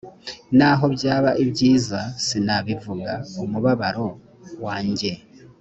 naho byaba ibyiza sinabivuga umubabaro wanjye